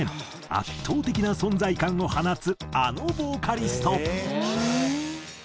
圧倒的な存在感を放つあのボーカリスト。